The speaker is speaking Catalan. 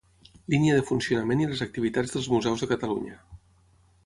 Línia de funcionament i les activitats dels museus de Catalunya.